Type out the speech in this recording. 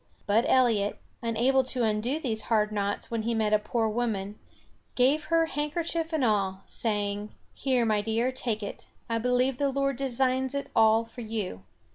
But Eliot, unable to undo these hard knots when he met a poor woman, gave her handkerchief and all, saying: "Here, my dear, take it; I believe the Lord designs it all for you."